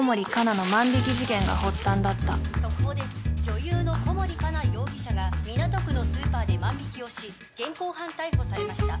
女優の小森かな容疑者が港区のスーパーで万引をし現行犯逮捕されました。